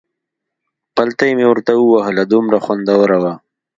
پلتۍ مې ورته ووهله، دومره خوندوره وه.